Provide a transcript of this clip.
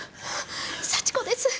幸子です。